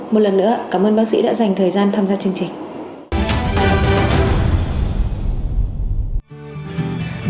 một lần nữa cảm ơn bác sĩ đã dành thời gian tham gia chương trình